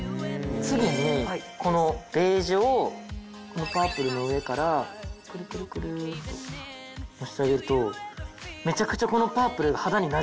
次にこのベージュをこのパープルの上からクルクルクルっとのせてあげるとめちゃくちゃこの。